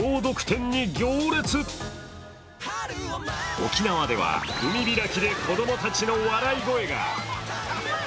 沖縄では海開きで子供たちの笑い声が。